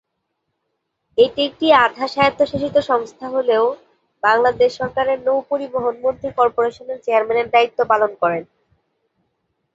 এটি একটি আধা স্বায়ত্তশাসিত সংস্থা হলেও বাংলাদেশ সরকারের নৌ-পরিবহন মন্ত্রী কর্পোরেশনের চেয়ারম্যানের দায়িত্ব পালন করেন।